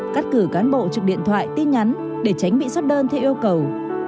cắt cử cán bộ trực điện thoại tin nhắn để tránh bị xuất đơn theo yêu cầu